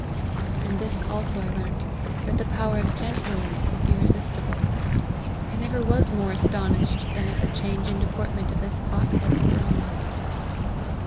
And this also I learnt, that the power of gentleness is irresistible. I never was more aston ished than at the change in deportment of this hot headed Brahmin."